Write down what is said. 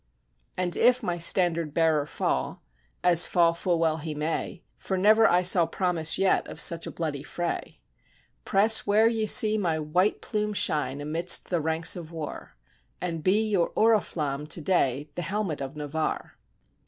"And if my standard bearer fall, as fall full well he may — For never saw I promise yet of such a bloody fray — 238 THE BATTLE OF IVRY Press where ye see my white plume shine, amidst the ranks of war, And be your oriflamme, to day, the helmet of Navarre."